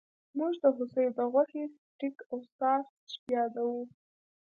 موږ د هوسۍ د غوښې سټیک او ساسج یادوو